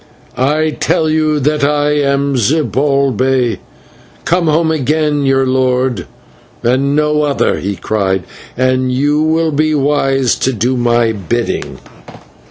"I tell you that I am Zibalbay, come home again, your lord, and no other," he cried, "and you will be wise to do my bidding."